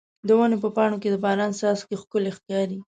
د ونې په پاڼو کې د باران څاڅکي ښکلي ښکاري.